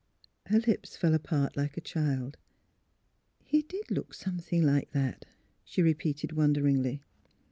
Her lips fell apart like a child's. " He did look something like that," she re peated, wonderingly.